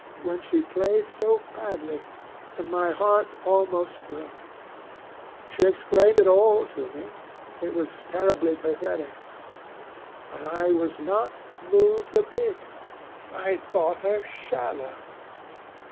—when she played so badly, and my heart almost broke. She explained it all to me. It was terribly pathetic. But I was not moved a bit. I thought her shallow.